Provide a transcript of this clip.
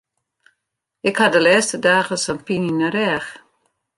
Ik ha de lêste dagen sa'n pine yn de rêch.